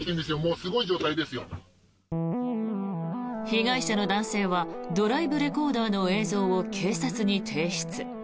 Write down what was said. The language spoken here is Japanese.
被害者の男性はドライブレコーダーの映像を警察に提出。